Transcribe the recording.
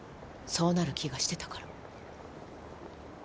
そうなる気がしてたから。